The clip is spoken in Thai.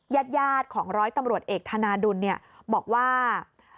ญาติของร้อยตำรวจเอกธนาดุลบอกว่า